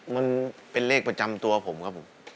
มันเป็นเลขประจำตัวผมครับผม